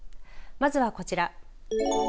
まずはこちら。